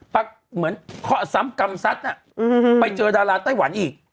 ปั๊กเหมือนข้อซ้ำกำซัดน่ะไปเจอดาราไต้หวันอีก